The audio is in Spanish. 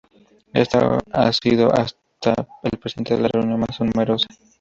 Esta ha sido hasta el presente, la reunión más numerosa.